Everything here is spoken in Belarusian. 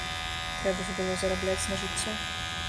Трэба ж было зарабляць на жыццё.